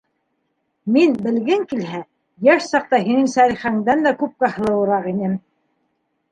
Мин, белгең килһә, йәш саҡта һинең Сәлихәңдән күпкә һылыуыраҡ инем.